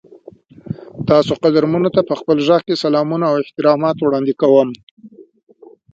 ورلسټ حافظ رحمت خان ته هم لیک واستاوه.